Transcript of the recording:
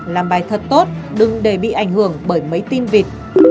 làm bài thật tốt đừng để bị ảnh hưởng bởi mấy tin vịt